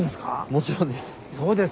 もちろんです。